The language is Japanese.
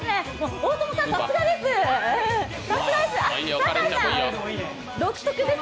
大友さん、さすがです！